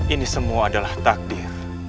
ini semua adalah takdir